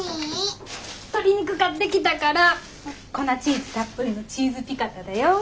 鶏肉買ってきたから粉チーズたっぷりのチーズピカタだよ。